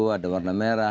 ada warna merah